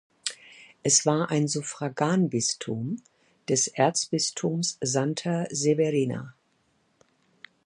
Es war ein Suffraganbistum des Erzbistums Santa Severina.